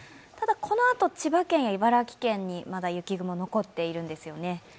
ただこのあと千葉県や茨城県にまだ雪雲、残っているんですよね。